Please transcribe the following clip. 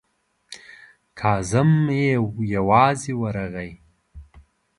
کازم بې یوازې ورغی.